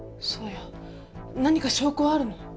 そうよ何か証拠はあるの？